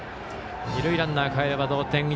二塁ランナーかえれば同点。